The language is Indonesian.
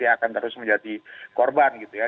yang akan terus menjadi korban gitu ya